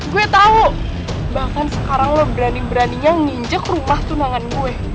gue tau bahkan sekarang lo berani beraninya nginjek rumah tunangan gue